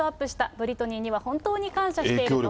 ブリトニーには本当に感謝していると。